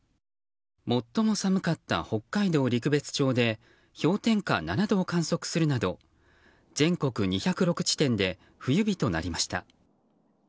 最も寒かった北海道陸別町で氷点下７度を観測するなど全国２０６地点で冬日となりました。